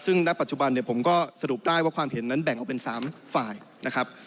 ซึ่งณปัจจุบันเนี่ยผมก็สรุปได้ว่าความเห็นนั้นแบ่งออกเป็น๓ฝ่ายนะครับ